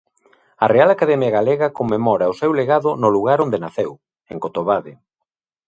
A Real Academia Galega conmemora o seu legado no lugar onde naceu, en Cotobade.